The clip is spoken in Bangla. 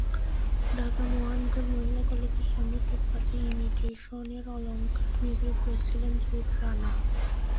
ঢাকা মহানগর মহিলা কলেজের সামনে ফুটপাতে ইমিটেশনের অলংকার বিক্রি করছিলেন জুয়েল রানা।